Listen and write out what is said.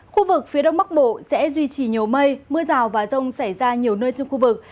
khu vực phía đông bắc bộ sẽ duy trì nhiều mây mưa rào và rông xảy ra nhiều nơi trong khu vực